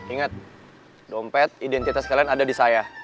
ingat dompet identitas kalian ada di saya